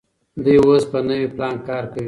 دوی اوس په نوي پلان کار کوي.